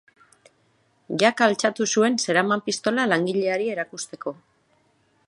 Jaka altxatu zuen zeraman pistola langileari erakusteko.